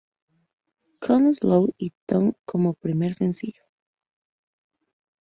Con Slow it down como primer sencillo.